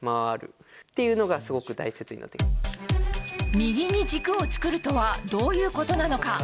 右に軸を作るとはどういうことなのか。